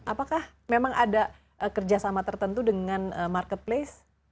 apakah memang ada kerjasama tertentu dengan marketplace